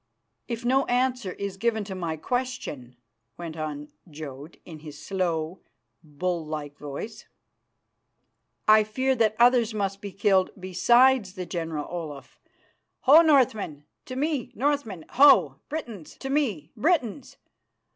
"If no answer is given to my question," went on Jodd in his slow, bull like voice, "I fear that others must be killed besides the General Olaf. Ho! Northmen. To me, Northmen! Ho! Britons, to me, Britons!